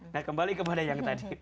nah kembali kepada yang tadi